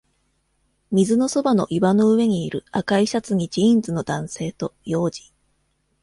水のそばの岩の上にいる赤いシャツにジーンズの男性と幼児。